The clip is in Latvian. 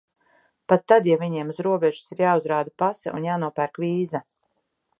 Pat tad, ja viņiem uz robežas ir jāuzrāda pase un jānopērk vīza.